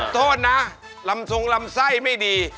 โทษนะลำทรงลำไส้ไม่ดี